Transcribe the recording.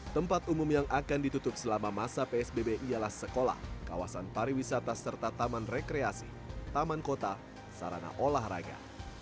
tempat umum yang akan ditutup selama masa psbb ialah sekolah kawasan pariwisata serta taman rekreasi taman kota sarana olahraga